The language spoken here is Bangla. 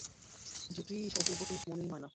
দুটিই অপূর্ব প্রিন্ট মনেই হয় না।